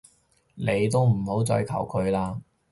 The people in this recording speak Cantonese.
你都唔好再求佢啦